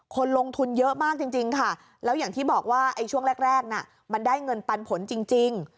คนลงทุนเยอะมากจริงค่ะแล้วอย่างที่บอกว่าช่วงแรกน่ะมันได้เงินปันผลจริง